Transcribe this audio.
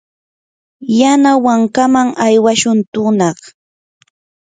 yanawankaman aywashun tunaq.